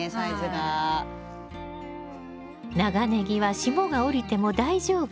長ネギは霜が降りても大丈夫。